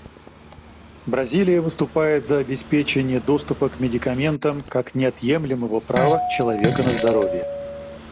Бразилия выступает за обеспечение доступа к медикаментам как неотъемлемого права человека на здоровье.